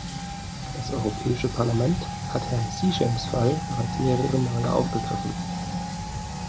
Das Europäische Parlament hat Herrn Zhishengs Fall bereits mehrere Male aufgegriffen.